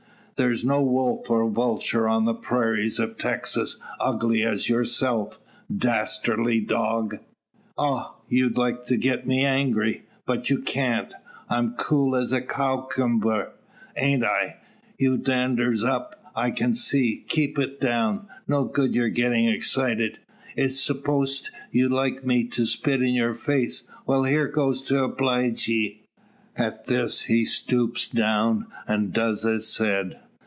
"There's no wolf or vulture on the prairies of Texas ugly as yourself. Dastardly dog!" "Ah! you'd like to get me angry? But you can't. I'm cool as a cowkumber aint I? Your dander's up, I can see. Keep it down. No good your gettin' excited. I s'pose you'd like me to spit in your face. Well, here goes to obleege ye." At this he stoops down, and does as said.